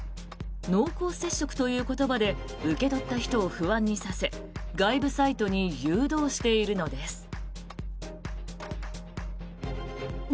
濃厚接触という言葉で受け取った人を不安にさせ外部サイトに誘導しているのです。